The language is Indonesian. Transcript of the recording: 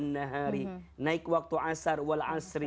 naik waktu malam